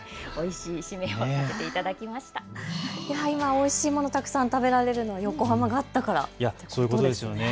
おいしいものがたくさん食べられるのは横浜があったからなんですね。